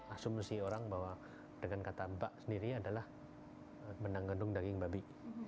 asumsi orang bahwa dengan kata mbak sendiri adalah benang gendung daging babi